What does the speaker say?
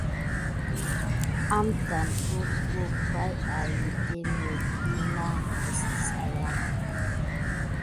Atane offó pay yanki temé kina sisayan.